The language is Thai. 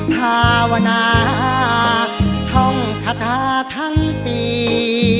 ภาวนาท่องคาถาทั้งปี